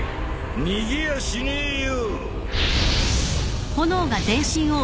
逃げやしねえよ。